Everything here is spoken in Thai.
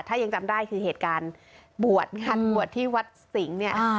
ถ้ายังจำได้คือเหตุการณ์บวชงานบวชที่วัดสิงห์เนี่ย